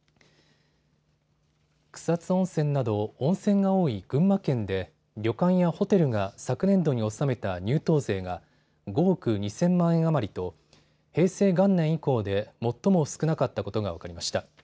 草津温泉など温泉が多い群馬県で旅館やホテルが昨年度に収めた入湯税が５億２０００万円余りと平成元年以降で最も少なかったことが分かりました。